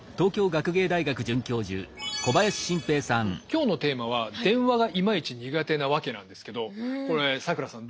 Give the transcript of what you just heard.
今日のテーマは「電話がイマイチ苦手なワケ」なんですけどこれ咲楽さん